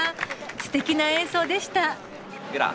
すてきな演奏でした。